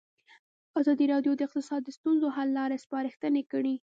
ازادي راډیو د اقتصاد د ستونزو حل لارې سپارښتنې کړي.